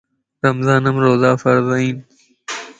رمضان مَ روزا فرض ائين